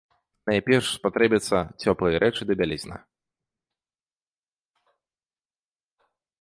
Найперш спатрэбяцца цёплыя рэчы ды бялізна.